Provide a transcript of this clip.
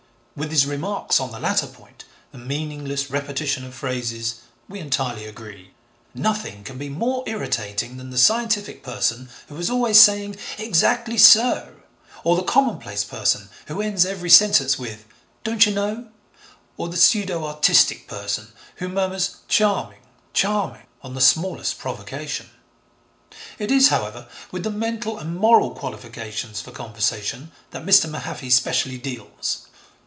With his remarks on the latter point, the meaningless repetition of phrases, we entirely agree. Nothing can be more irritating than the scientific person who is always saying 'Exactly so,' or the commonplace person who ends every sentence with 'Don't you know?' or the pseudo artistic person who murmurs 'Charming, charming,' on the smallest provocation. It is, however, with the mental and moral qualifications for conversation that Mr. Mahaffy specially deals.